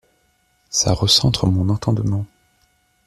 Ça recentre mon entendement.